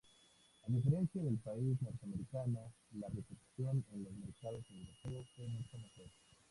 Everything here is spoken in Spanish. A diferencia del país norteamericano, la recepción en los mercados europeo fue mucho mejor.